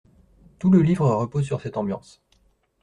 Tout le livre repose sur cette ambiance.